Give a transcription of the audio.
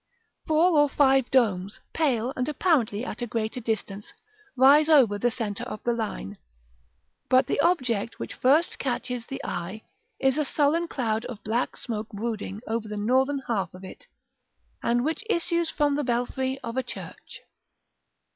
Four or five domes, pale, and apparently at a greater distance, rise over the centre of the line; but the object which first catches the eye is a sullen cloud of black smoke brooding over the northern half of it, and which issues from the belfry of a church.